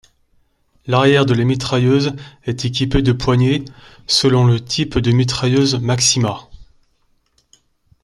L'arrière de la mitrailleuse est équipé de poignées selon le type de mitrailleuse Maxima.